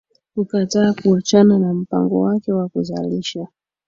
kukataa kuachana na mpango wake wa kuzalisha